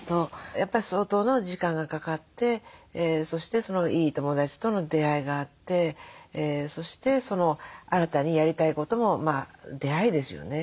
やっぱり相当の時間がかかってそしていい友達との出会いがあってそして新たにやりたいことも出会いですよね。